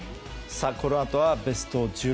このあとはベスト１６。